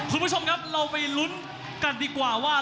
คุณผู้ชมครับเราไปลุ้นกันดีกว่าว่า